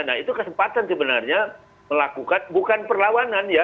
nah itu kesempatan sebenarnya melakukan bukan perlawanan ya